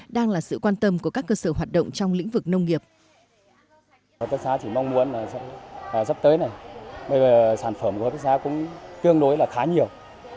đang là sự quan tâm của các cơ sở hoạt động trong lĩnh vực nông nghiệp